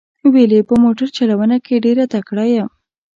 ویل یې په موټر چلونه کې ډېر تکړه یم.